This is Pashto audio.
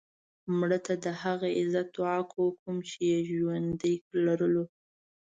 مړه ته د هغه عزت دعا کوو کوم یې چې ژوندی لرلو